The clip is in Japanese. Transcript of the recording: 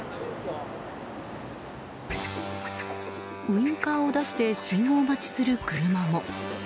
ウインカーを出して信号待ちする車も。